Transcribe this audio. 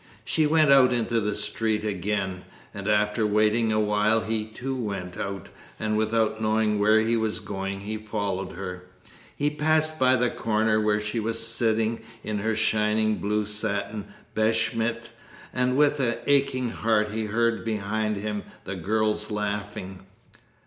She went out into the street again, and after waiting awhile he too went out and without knowing where he was going he followed her. He passed by the corner where she was sitting in her shining blue satin beshmet, and with an aching heart he heard behind him the girls laughing.